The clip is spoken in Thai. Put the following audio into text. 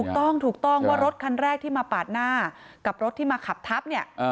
ถูกต้องถูกต้องว่ารถคันแรกที่มาปาดหน้ากับรถที่มาขับทับเนี่ย